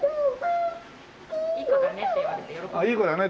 「いい子だね」って言われて喜んでます。